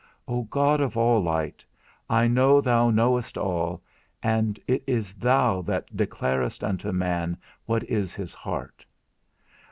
O God of all light, I know thou knowest all, and it is thou that declarest unto man what is his heart.